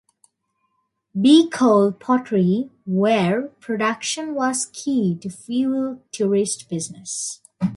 B. Cole Pottery where production was key to fuel tourist business.